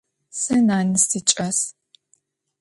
Сэ нанэ сикӏас.